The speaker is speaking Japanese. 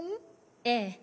ええ。